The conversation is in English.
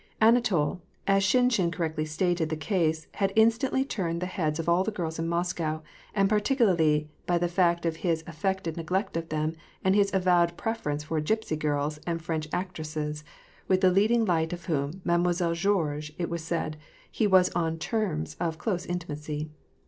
Anatol, as Shinshin correctly stated the case, had instantly turned the heads of all the girls in ^oscow, and particularly by the fact of his affected neglect of them and his avowed preference for gypsy girls and French actresses, with the leading light of whom, Mademoiselle Georges, it was said, he was on terms of close intimacy.